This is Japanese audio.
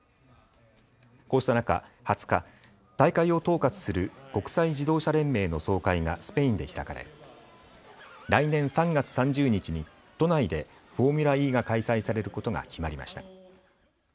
こうした中、２０日、大会を統括する国際自動車連盟の総会がスペインで開かれ来年３月３０日に都内でフォーミュラＥが開催されることが決まりました。